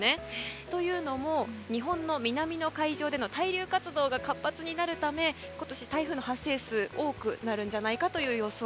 というのも日本の南の海上での対流活動が活発になるため今年、台風の発生数は多くなるんじゃないかという予想。